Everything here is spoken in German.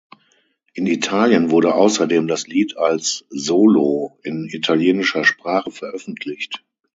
In Italien wurde außerdem das Lied als "Solo" in italienischer Sprache veröffentlicht.